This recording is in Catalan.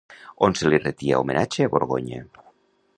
On se li retia homenatge a Borgonya?